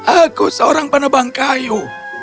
aku seorang penerbang kayu